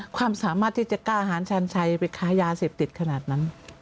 ความสามารถที่จะกล้าหารชาญชัยไปค้ายาเสพติดขนาดนั้น